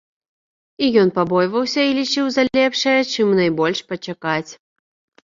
І ён пабойваўся і лічыў за лепшае чым найбольш пачакаць.